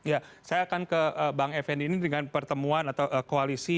ya saya akan ke bang effendi ini dengan pertemuan atau koalisi